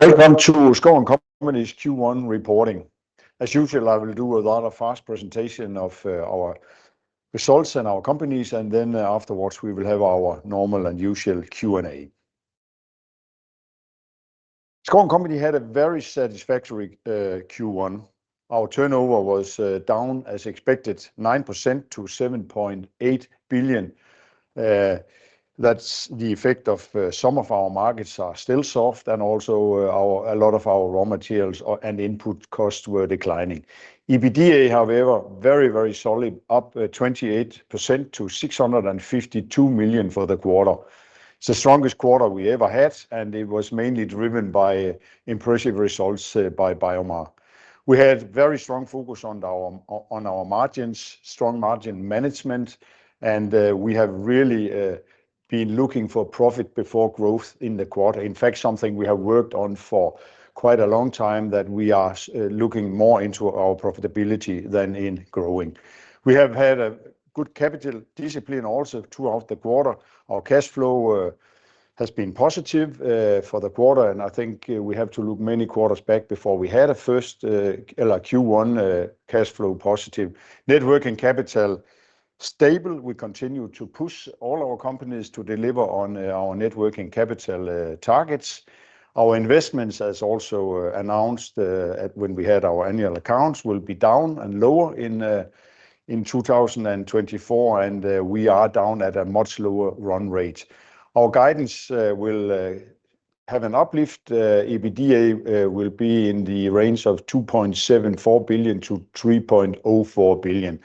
Welcome to Schouw & Co.'s Q1 reporting. As usual, I will do a rather fast presentation of our results and our companies, and then afterwards we will have our normal and usual Q&A. Schouw & Co. had a very satisfactory Q1. Our turnover was down as expected 9% to 7.8 billion. That's the effect of some of our markets are still soft and also a lot of our raw materials and input costs were declining. EBITDA, however, very, very solid up 28% to 652 million for the quarter. It's the strongest quarter we ever had, and it was mainly driven by impressive results by BioMar. We had very strong focus on our margins, strong margin management, and we have really been looking for profit before growth in the quarter. In fact, something we have worked on for quite a long time that we are looking more into our profitability than in growing. We have had a good capital discipline also throughout the quarter. Our cash flow has been positive for the quarter, and I think we have to look many quarters back before we had a first Q1 cash flow positive. Net working capital stable. We continue to push all our companies to deliver on our net working capital targets. Our investments, as also announced when we had our annual accounts, will be down and lower in 2024, and we are down at a much lower run rate. Our guidance will have an uplift. EBITDA will be in the range of 2.74 billion-3.04 billion.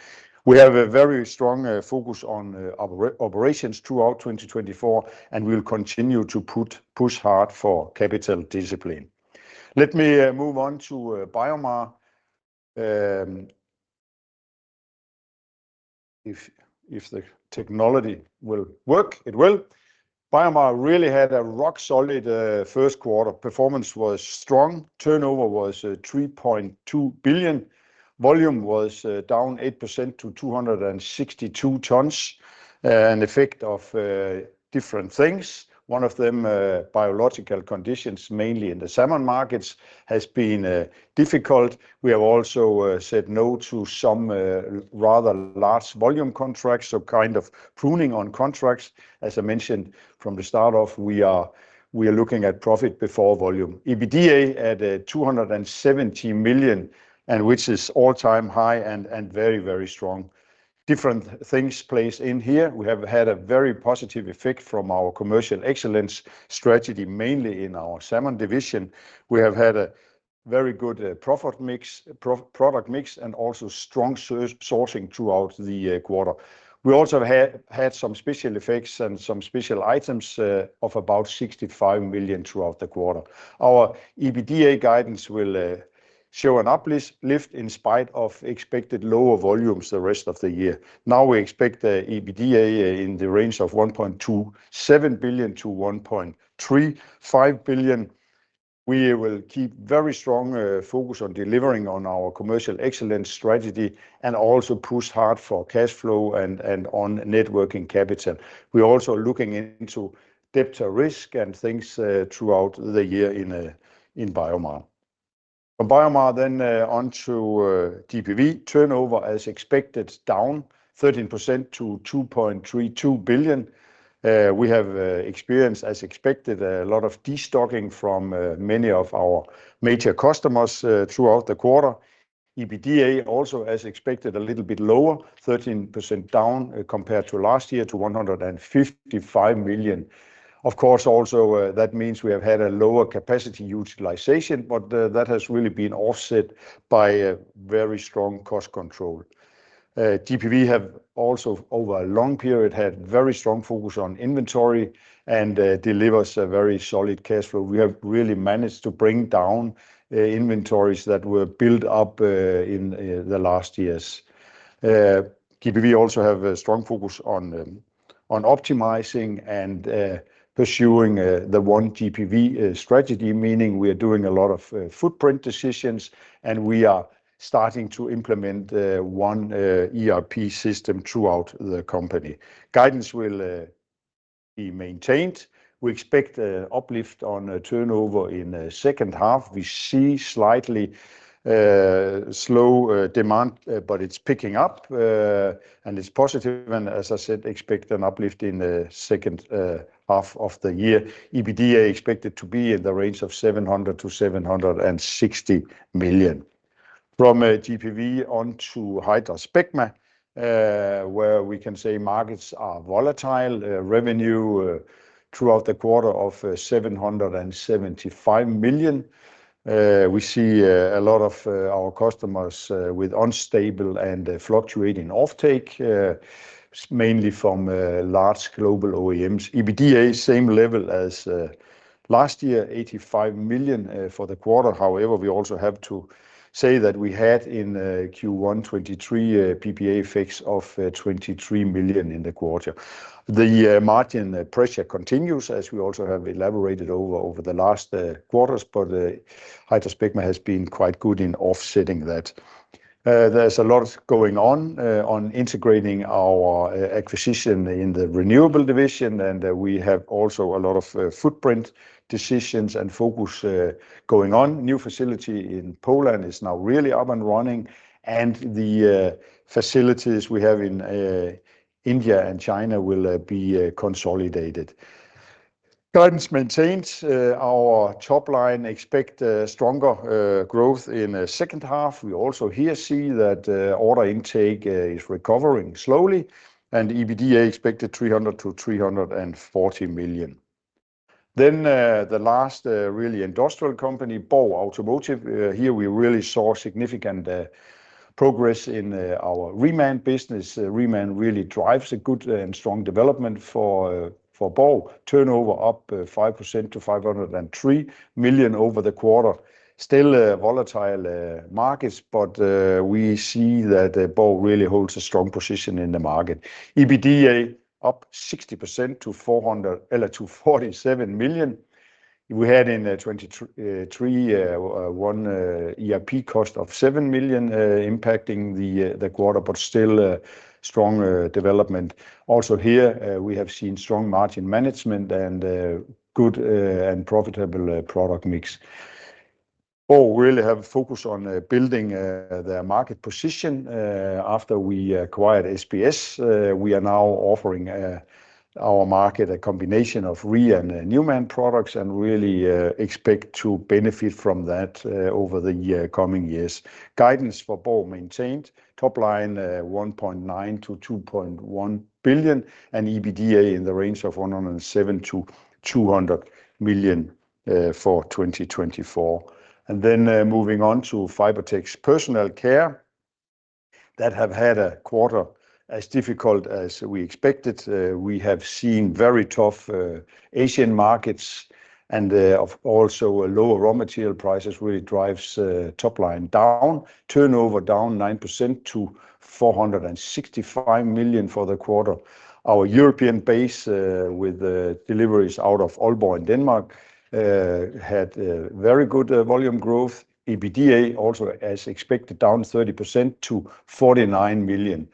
We have a very strong focus on operations throughout 2024, and we'll continue to push hard for capital discipline. Let me move on to BioMar. If the technology will work, it will. BioMar really had a rock-solid first quarter. Performance was strong. Turnover was 3.2 billion. Volume was down 8% to 262 tons, an effect of different things. One of them, biological conditions, mainly in the salmon markets, has been difficult. We have also said no to some rather large volume contracts, so kind of pruning on contracts. As I mentioned from the start off, we are looking at profit before volume. EBITDA at 270 million, which is all-time high and very, very strong. Different things place in here. We have had a very positive effect from our commercial excellence strategy, mainly in our salmon division. We have had a very good profit mix, product mix, and also strong sourcing throughout the quarter. We also have had some special effects and some special items of about 65 million throughout the quarter. Our EBITDA guidance will show an uplift in spite of expected lower volumes the rest of the year. Now we expect EBITDA in the range of 1.27 billion-1.35 billion. We will keep very strong focus on delivering on our commercial excellence strategy and also push hard for cash flow and on net working capital. We're also looking into debt to EBITDA and things throughout the year in BioMar. From BioMar then onto GPV. Turnover as expected down 13% to 2.32 billion. We have experienced, as expected, a lot of destocking from many of our major customers throughout the quarter. EBITDA also as expected a little bit lower, 13% down compared to last year to 155 million. Of course, also that means we have had a lower capacity utilization, but that has really been offset by very strong cost control. GPV has also over a long period had a very strong focus on inventory and delivers a very solid cash flow. We have really managed to bring down inventories that were built up in the last years. GPV also has a strong focus on optimizing and pursuing the one GPV strategy, meaning we are doing a lot of footprint decisions and we are starting to implement one ERP system throughout the company. Guidance will be maintained. We expect an uplift on turnover in the second half. We see slightly slow demand, but it's picking up and it's positive, and as I said, expect an uplift in the second half of the year. EBITDA expected to be in the range of 700-760 million. From GPV onto HydraSpecma, where we can say markets are volatile, revenue throughout the quarter of 775 million. We see a lot of our customers with unstable and fluctuating offtake, mainly from large global OEMs. EBITDA same level as last year, 85 million for the quarter. However, we also have to say that we had in Q1 2023 PPA effects of 23 million in the quarter. The margin pressure continues, as we also have elaborated over the last quarters, but HydraSpecma has been quite good in offsetting that. There's a lot going on integrating our acquisition in the renewable division, and we have also a lot of footprint decisions and focus going on. New facility in Poland is now really up and running, and the facilities we have in India and China will be consolidated. Guidance maintains. Our top line expect stronger growth in the second half. We also here see that order intake is recovering slowly, and EBITDA expected 300-340 million. Then the last really industrial company, BORG Automotive. Here we really saw significant progress in our Reman business. Reman really drives a good and strong development for BORG. Turnover up 5% to 503 million over the quarter. Still volatile markets, but we see that BORG really holds a strong position in the market. EBITDA up 60% to 447 million. We had in 2023 one ERP cost of 7 million impacting the quarter, but still strong development. Also here we have seen strong margin management and good and profitable product mix. BORG really have focus on building their market position after we acquired SBS. We are now offering our market a combination of Reman and Newman products and really expect to benefit from that over the coming years. Guidance for BORG maintained. Top line 1.9 billion-2.1 billion and EBITDA in the range of 107 million-200 million for 2024. Then moving on to Fibertex Personal Care. That have had a quarter as difficult as we expected. We have seen very tough Asian markets, and also lower raw material prices really drive top line down. Turnover down 9% to 465 million for the quarter. Our European base with deliveries out of Aalborg in Denmark had very good volume growth. EBITDA also as expected down 30% to 49 million.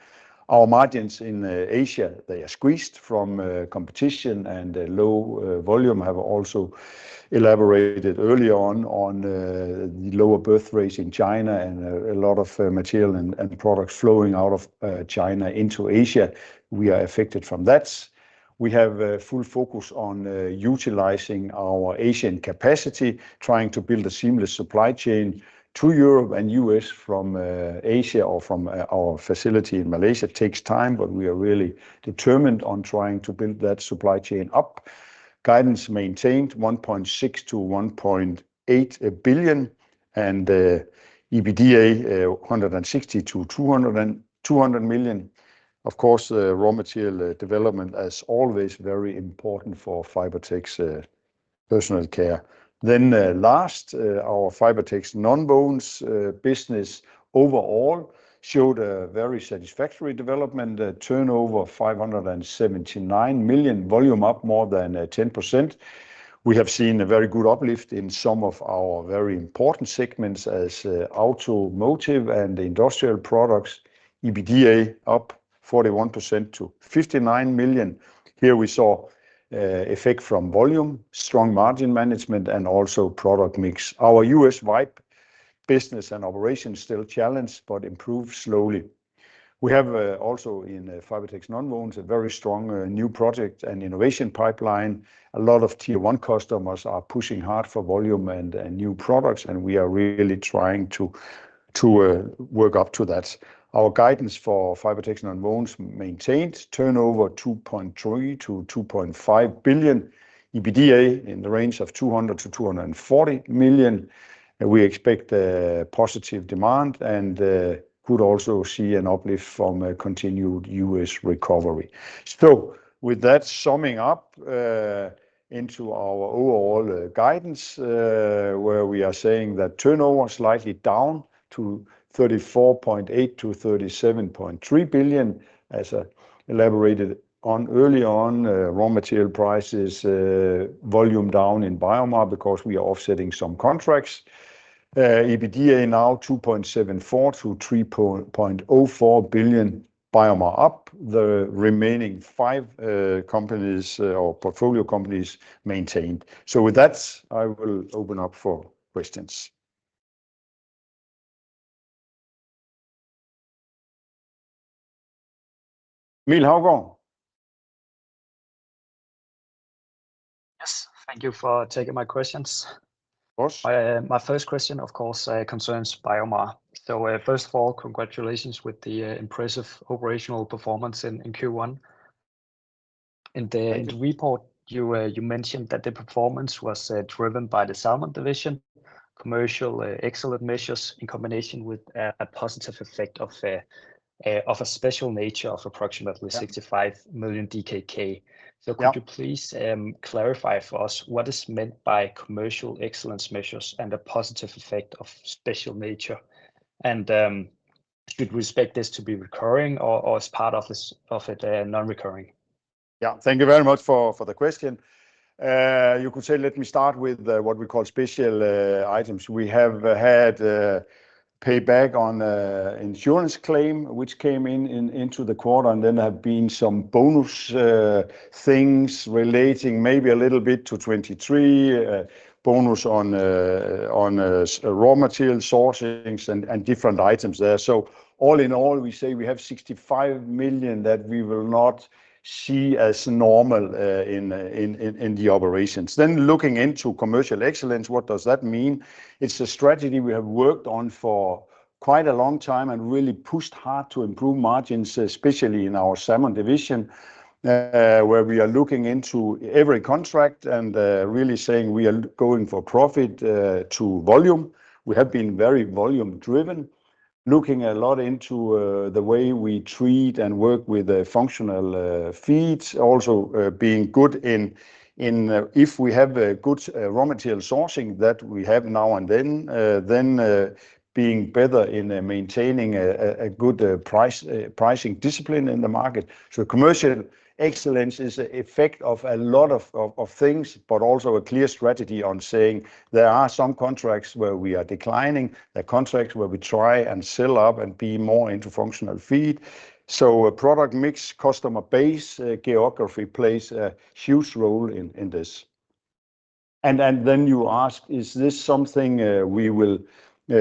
Our margins in Asia, they are squeezed from competition and low volume have also elaborated earlier on the lower birth rates in China and a lot of material and products flowing out of China into Asia. We are affected from that. We have full focus on utilizing our Asian capacity, trying to build a seamless supply chain to Europe and US from Asia or from our facility in Malaysia. Takes time, but we are really determined on trying to build that supply chain up. Guidance maintained 1.6 billion-1.8 billion and EBITDA 160 million-200 million. Of course, raw material development as always very important for Fibertex Personal Care. Then last, our Fibertex Nonwovens business overall showed a very satisfactory development. Turnover 579 million, volume up more than 10%. We have seen a very good uplift in some of our very important segments as automotive and industrial products. EBITDA up 41% to 59 million. Here we saw effect from volume, strong margin management, and also product mix. Our US wipes business and operations still challenged, but improved slowly. We have also in Fibertex Nonwovens a very strong new project and innovation pipeline. A lot of Tier 1 customers are pushing hard for volume and new products, and we are really trying to work up to that. Our guidance for Fibertex Nonwovens maintained. Turnover 2.3 billion-2.5 billion. EBITDA in the range of 200 million-240 million. We expect positive demand and could also see an uplift from continued US recovery. So with that summing up into our overall guidance, where we are saying that turnover slightly down to 34.8 billion-37.3 billion, as elaborated on earlier on, raw material prices volume down in BioMar because we are offsetting some contracts. EBITDA now 2.74 billion-3.04 billion. BioMar up. The remaining five companies or portfolio companies maintained. So with that, I will open up for questions. Miel Haugaard. Yes, thank you for taking my questions. Of course. My first question, of course, concerns BioMar. So first of all, congratulations with the impressive operational performance in Q1. In the report, you mentioned that the performance was driven by the salmon division commercial excellence measures in combination with a positive effect of a special nature of approximately 65 million DKK. So could you please clarify for us what is meant by commercial excellence measures and a positive effect of special nature? And should we expect this to be recurring or as part of it non-recurring? Yeah, thank you very much for the question. You could say let me start with what we call special items. We have had payback on insurance claim, which came in in the quarter, and then there have been some bonus things relating maybe a little bit to 2023 bonus on raw material sourcings and different items there. So all in all, we say we have 65 million that we will not see as normal in the operations. Then looking into commercial excellence, what does that mean? It's a strategy we have worked on for quite a long time and really pushed hard to improve margins, especially in our salmon division, where we are looking into every contract and really saying we are going for profit to volume. We have been very volume driven, looking a lot into the way we treat and work with functional feeds, also being good in if we have good raw material sourcing that we have now and then, then being better in maintaining a good pricing discipline in the market. So commercial excellence is an effect of a lot of things, but also a clear strategy on saying there are some contracts where we are declining, there are contracts where we try and sell up and be more into functional feed. So a product mix, customer base geography plays a huge role in this. And then you ask, is this something we will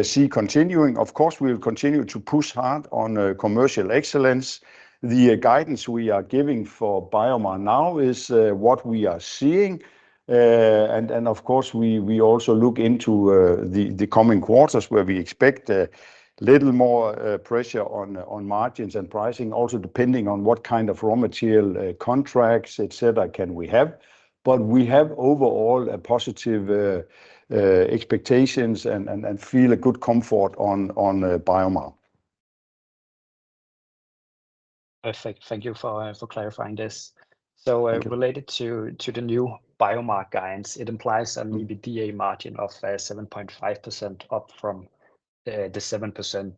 see continuing? Of course, we will continue to push hard on commercial excellence. The guidance we are giving for BioMar now is what we are seeing. And of course, we also look into the coming quarters where we expect a little more pressure on margins and pricing, also depending on what kind of raw material contracts, etc., can we have. But we have overall a positive expectations and feel a good comfort on BioMar. Perfect. Thank you for clarifying this. So related to the new BioMar guidance, it implies an EBITDA margin of 7.5% up from the 7%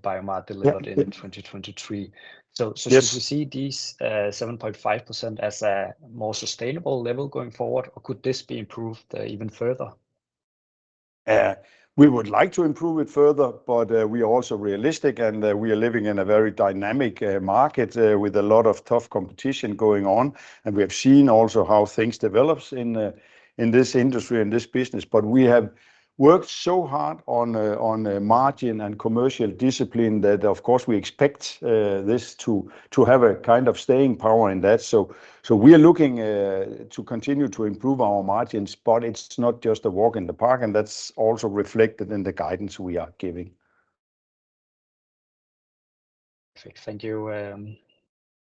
BioMar delivered in 2023. So should we see these 7.5% as a more sustainable level going forward, or could this be improved even further? We would like to improve it further, but we are also realistic and we are living in a very dynamic market with a lot of tough competition going on, and we have seen also how things develop in this industry, in this business. But we have worked so hard on margin and commercial discipline that, of course, we expect this to have a kind of staying power in that. So we are looking to continue to improve our margins, but it's not just a walk in the park, and that's also reflected in the guidance we are giving. Perfect. Thank you.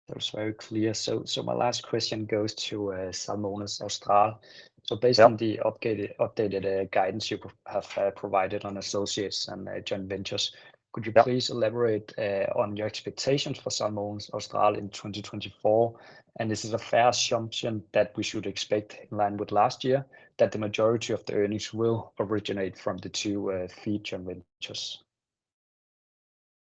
That was very clear. So my last question goes to Salmones Austral. So based on the updated guidance you have provided on associates and joint ventures, could you please elaborate on your expectations for Salmones Austral in 2024? Is it a fair assumption that we should expect, in line with last year, that the majority of the earnings will originate from the two feed joint ventures?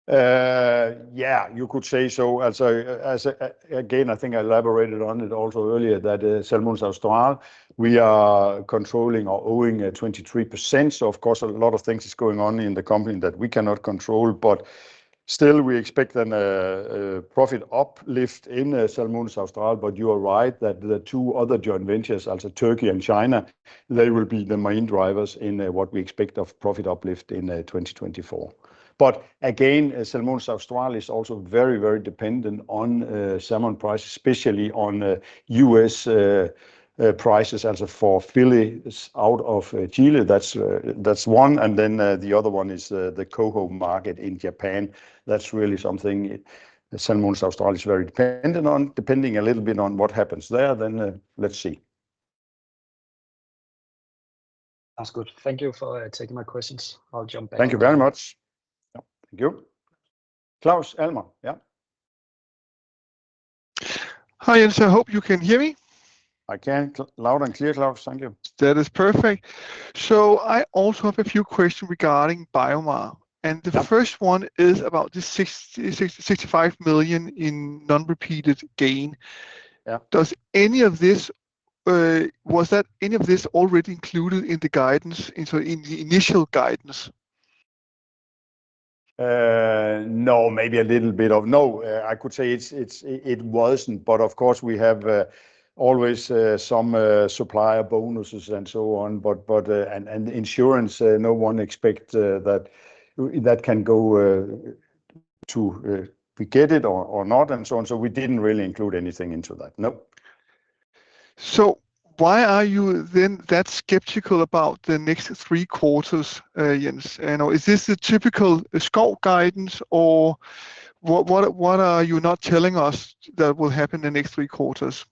Yeah, you could say so. Again, I think I elaborated on it also earlier that Salmones Austral, we are controlling or owning 23%. Of course, a lot of things is going on in the company that we cannot control, but still we expect then a profit uplift in Salmones Austral. But you are right that the two other joint ventures, also Turkey and China, they will be the main drivers in what we expect of profit uplift in 2024. But again, Salmones Austral is also very, very dependent on salmon prices, especially on US prices, also for fillets out of Chile. That's one. And then the other one is the Coho market in Japan. That's really something Salmones Austral is very dependent on, depending a little bit on what happens there. Then let's see. That's good. Thank you for taking my questions. I'll jump back. Thank you very much. Thank you. Claus Almer, yeah. Hi Jens, I hope you can hear me. I hear you loud and clear, Klaus. Thank you. That is perfect. So I also have a few questions regarding BioMar, and the first one is about the 65 million in non-repeated gain. Does any of this—was that any of this already included in the guidance, in the initial guidance? No, maybe a little bit of—no, I could say it wasn't. But of course, we have always some supplier bonuses and so on. But insurance, no one expects that that can go to—we get it or not and so on. So we didn't really include anything into that, no.So why are you then that skeptical about the next three quarters, Jens? Is this the typical Schouw guidance, or what are you not telling us that will happen in the next three quarters?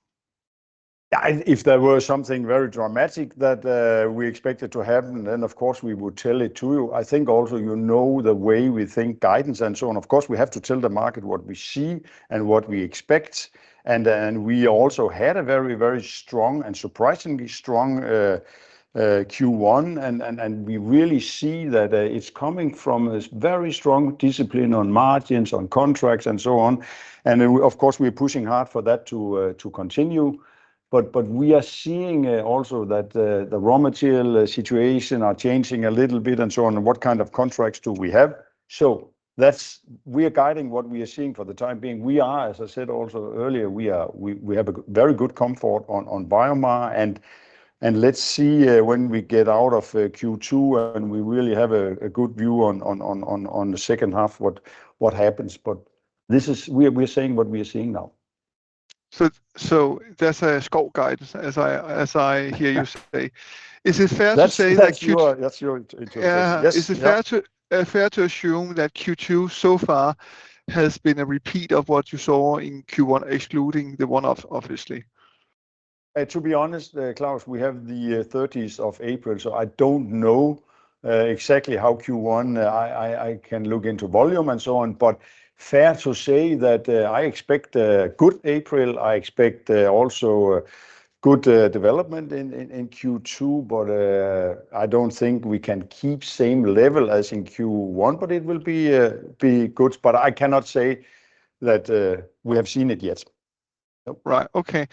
Yeah, if there were something very dramatic that we expected to happen, then of course we would tell it to you. I think also you know the way we think guidance and so on. Of course, we have to tell the market what we see and what we expect. And we also had a very, very strong and surprisingly strong Q1, and we really see that it's coming from a very strong discipline on margins, on contracts, and so on. And of course, we are pushing hard for that to continue. But we are seeing also that the raw material situation is changing a little bit and so on. What kind of contracts do we have? So we are guiding what we are seeing for the time being. We are, as I said also earlier, we have a very good comfort on BioMar. And let's see when we get out of Q2 and we really have a good view on the second half, what happens. But this is—we are saying what we are seeing now. So that's a Schouw guidance, as I hear you say. Is it fair to say that Q2—That's your interview. Is it fair to assume that Q2 so far has been a repeat of what you saw in Q1, excluding the one obviously? To be honest, Klaus, we have the 30s of April, so I don't know exactly how Q1—I can look into volume and so on. But fair to say that I expect a good April. I expect also good development in Q2, but I don't think we can keep the same level as in Q1, but it will be good. But I cannot say that we have seen it yet. Right, OK.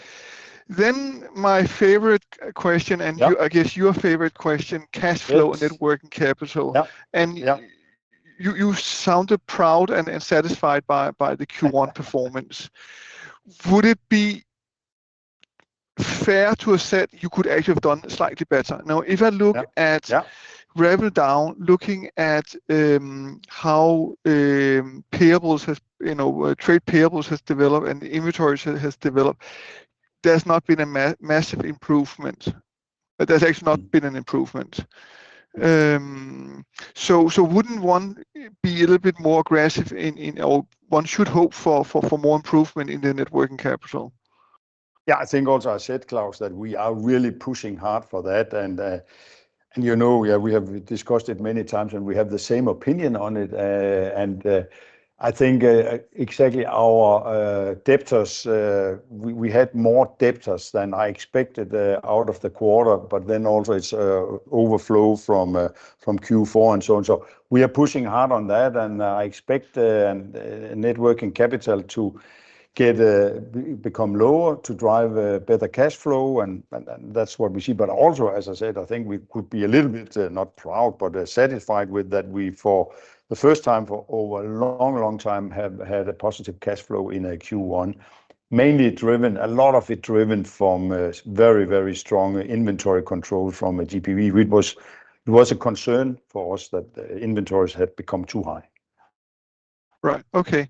Then my favorite question, and I guess your favorite question: cash flow and net working capital. And you sounded proud and satisfied by the Q1 performance. Would it be fair to assert you could actually have done slightly better? Now, if I look at level down, looking at how trade payables have developed and the inventory has developed, there's not been a massive improvement. There's actually not been an improvement. So wouldn't one be a little bit more aggressive in, or one should hope for more improvement in the net working capital? Yeah, I think also I said, Klaus, that we are really pushing hard for that. And you know, yeah, we have discussed it many times, and we have the same opinion on it. And I think exactly our debtors—we had more debtors than I expected out of the quarter. But then also it's overflow from Q4 and so on. So we are pushing hard on that, and I expect net working capital to become lower, to drive better cash flow. And that's what we see. But also, as I said, I think we could be a little bit not proud, but satisfied with that we, for the first time for over a long, long time, have had a positive cash flow in Q1, mainly driven, a lot of it driven from very, very strong inventory control from GPV. It was a concern for us that inventories had become too high. Right, OK.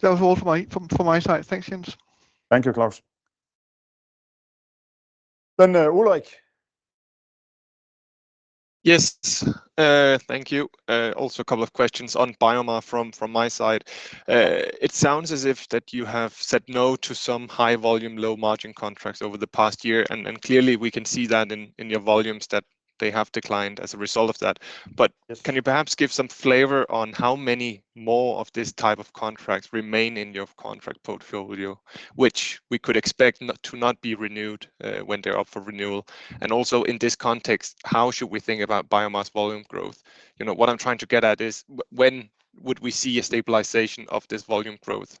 That was all from my side. Thanks, Jens. Thank you, Klaus. Then Ulrik. Yes, thank you. Also a couple of questions on BioMar from my side. It sounds as if that you have said no to some high volume, low margin contracts over the past year. And clearly, we can see that in your volumes, that they have declined as a result of that. But can you perhaps give some flavor on how many more of this type of contracts remain in your contract portfolio, which we could expect to not be renewed when they're up for renewal? And also in this context, how should we think about BioMar's volume growth? What I'm trying to get at is, when would we see a stabilization of this volume growth?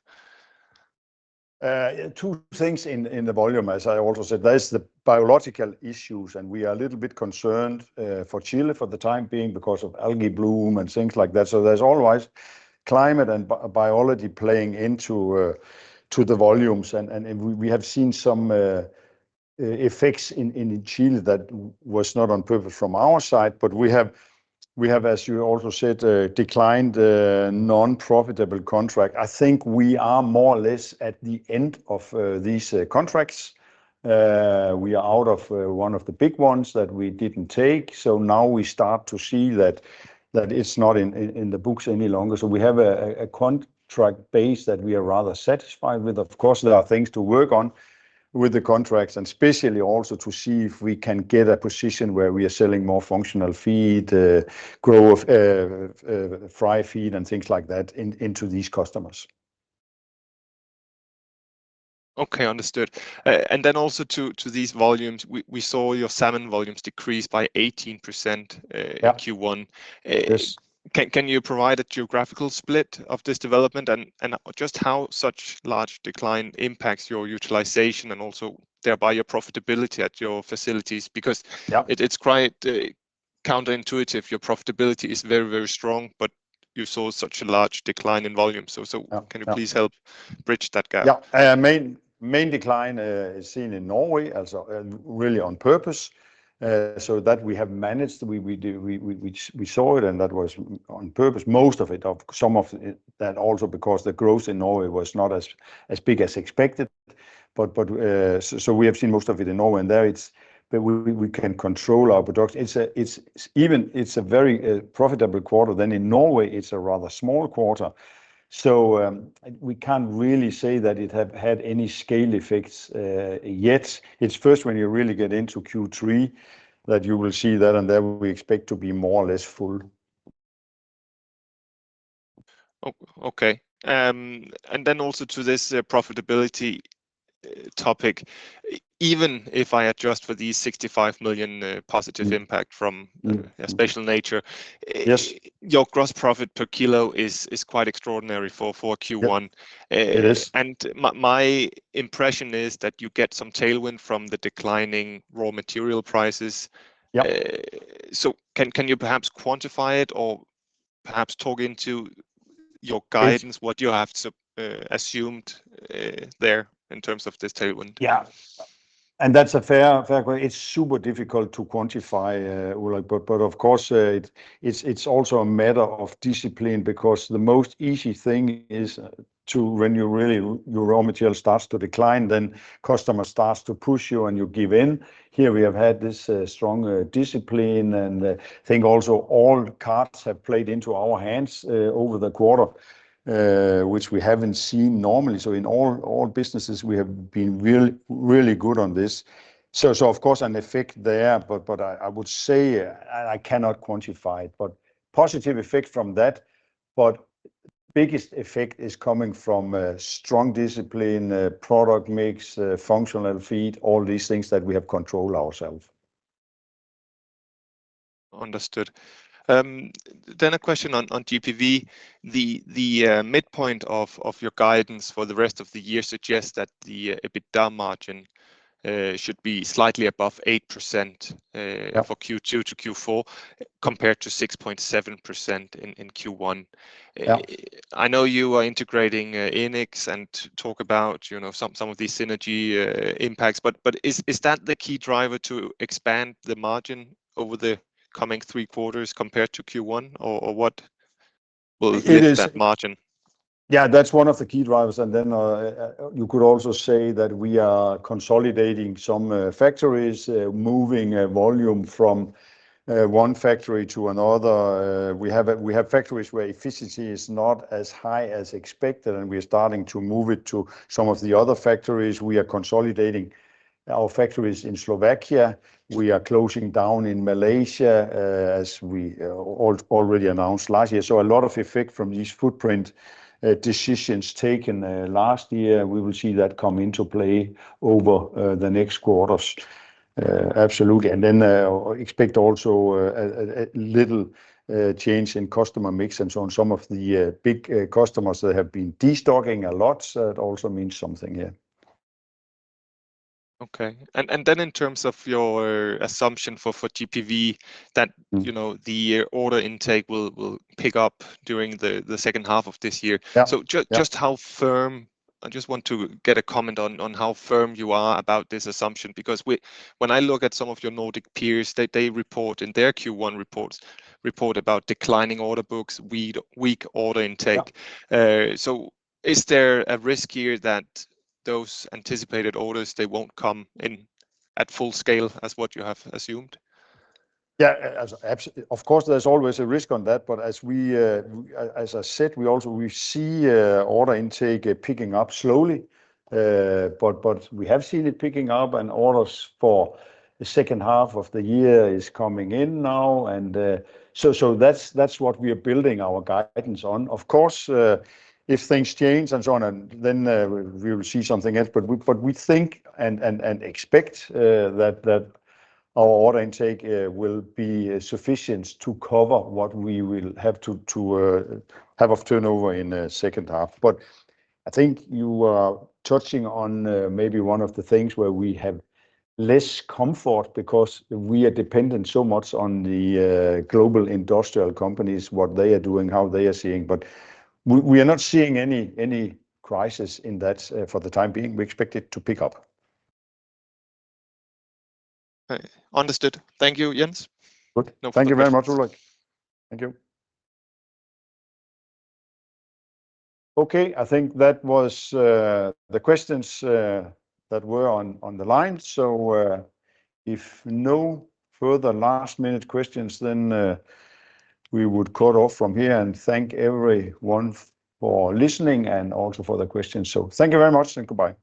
Two things in the volume, as I also said. There's the biological issues, and we are a little bit concerned for Chile for the time being because of algae bloom and things like that. So there's always climate and biology playing into the volumes. And we have seen some effects in Chile that were not on purpose from our side. But we have, as you also said, declined non-profitable contracts. I think we are more or less at the end of these contracts. We are out of one of the big ones that we didn't take. So now we start to see that it's not in the books any longer. So we have a contract base that we are rather satisfied with. Of course, there are things to work on with the contracts, and especially also to see if we can get a position where we are selling more functional feed, growth, fry feed, and things like that into these customers. OK, understood. And then also to these volumes, we saw your salmon volumes decrease by 18% in Q1. Can you provide a geographical split of this development and just how such large decline impacts your utilization and also thereby your profitability at your facilities? Because it's quite counterintuitive. Your profitability is very, very strong, but you saw such a large decline in volume. So can you please help bridge that gap? Yeah, main decline is seen in Norway, also really on purpose, so that we have managed. We saw it, and that was on purpose, most of it, some of that also because the growth in Norway was not as big as expected. But so we have seen most of it in Norway, and there it's, but we can control our products. Even it's a very profitable quarter. Then in Norway, it's a rather small quarter. So we can't really say that it has had any scale effects yet. It's first when you really get into Q3 that you will see that, and there we expect to be more or less full. OK, and then also to this profitability topic, even if I adjust for these 65 million positive impact from special nature, your gross profit per kilo is quite extraordinary for Q1. It is. And my impression is that you get some tailwind from the declining raw material prices. So can you perhaps quantify it or perhaps talk into your guidance what you have assumed there in terms of this tailwind? Yeah, and that's a fair question. It's super difficult to quantify, Ulrik. But of course, it's also a matter of discipline because the most easy thing is to, when you really, your raw material starts to decline, then customers start to push you and you give in. Here we have had this strong discipline, and I think also all cards have played into our hands over the quarter, which we haven't seen normally. So in all businesses, we have been really, really good on this. So of course, an effect there, but I would say I cannot quantify it. But positive effect from that, but the biggest effect is coming from strong discipline, product mix, functional feed, all these things that we have controlled ourselves. Understood. Then a question on GPV. The midpoint of your guidance for the rest of the year suggests that the EBITDA margin should be slightly above 8% for Q2 to Q4 compared to 6.7% in Q1.I know you are integrating Enics and talk about some of these synergy impacts, but is that the key driver to expand the margin over the coming three quarters compared to Q1, or what will affect that margin? Yeah, that's one of the key drivers. And then you could also say that we are consolidating some factories, moving volume from one factory to another. We have factories where efficiency is not as high as expected, and we are starting to move it to some of the other factories. We are consolidating our factories in Slovakia. We are closing down in Malaysia, as we already announced last year. So a lot of effect from these footprint decisions taken last year. We will see that come into play over the next quarters. Absolutely. And then expect also a little change in customer mix and so on. Some of the big customers that have been destocking a lot, that also means something here. OK, and then in terms of your assumption for GPV, that the order intake will pick up during the second half of this year. So just how firm-I just want to get a comment on how firm you are about this assumption, because when I look at some of your Nordic peers, they report in their Q1 reports about declining order books, weak order intake. So is there a risk here that those anticipated orders, they won't come in at full scale as what you have assumed? Yeah, of course, there's always a risk on that. But as I said, we also see order intake picking up slowly. But we have seen it picking up, and orders for the second half of the year are coming in now. So that's what we are building our guidance on. Of course, if things change and so on, then we will see something else. But we think and expect that our order intake will be sufficient to cover what we will have to have of turnover in the second half. But I think you are touching on maybe one of the things where we have less comfort because we are dependent so much on the global industrial companies, what they are doing, how they are seeing. But we are not seeing any crisis in that for the time being. We expect it to pick up. Understood. Thank you, Jens. Thank you very much, Ulrik. Thank you. OK, I think that was the questions that were on the line. So if no further last-minute questions, then we would cut off from here and thank everyone for listening and also for the questions. So thank you very much, and goodbye.